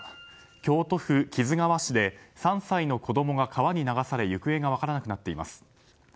京都府木津川市で３歳の子供が川に流され行方が分からなくなっています。